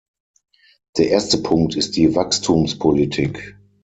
Der erste Punkt ist die Wachstumspolitik.